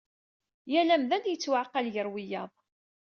Yal amdan yettwaɛqal gar wiyaḍ.